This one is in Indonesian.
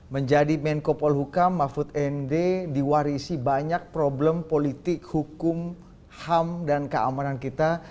menjadi menko polhukam mahfud md diwarisi banyak problem politik hukum ham dan keamanan kita